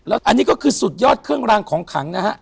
อันนี้ก็คือสุดยอดเครื่องรางของขังนะฮะ